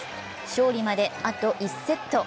勝利まであと１セット。